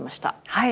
はい。